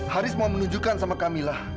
haris mau menunjukkan sama kamilah